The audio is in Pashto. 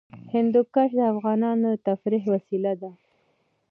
هندوکش د افغانانو د تفریح وسیله ده.